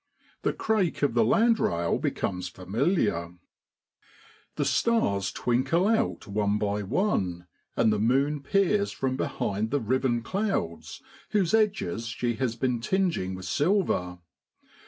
The crake of the land rail becomes familiar. The stars twinkle out one by one, and the moon JULY IN 13ROADLAND. 60 peers from behind the riven clouds whose edges she has been tinging with silver.